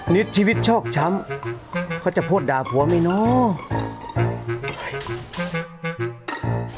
นิดชีวิตชอบช้ำเขาจะพูดด่าผัวไหมเนาะ